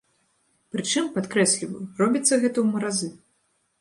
Прычым, падкрэсліваю, робіцца гэта ў маразы.